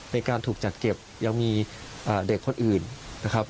ในการถูกจัดเก็บยังมีเด็กคนอื่นนะครับ